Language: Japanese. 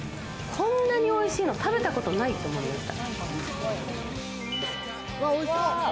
こんなにおいしいの食べたことないと思いました。